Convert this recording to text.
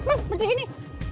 berdiri di sini